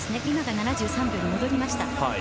７分３秒に戻りました。